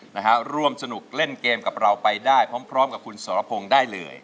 นะฮะร่วมสนุกเล่นเกมกับเราไปได้พร้อมพร้อมกับคุณสรพงศ์ได้เลย